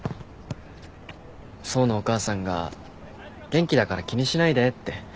想のお母さんが「元気だから気にしないで」って。